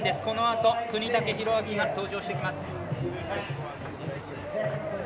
このあと、國武大晃が登場してきます。